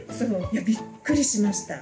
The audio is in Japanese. いや、びっくりしました。